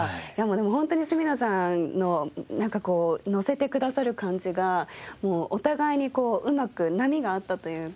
ホントに角野さんのなんかこうのせてくださる感じがもうお互いにこううまく波が合ったというか。